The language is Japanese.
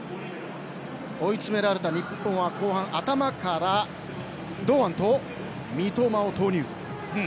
追い詰められた日本は後半頭から堂安と三笘を投入。